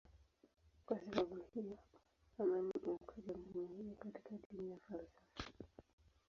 Kwa sababu hiyo amani imekuwa jambo muhimu katika dini na falsafa.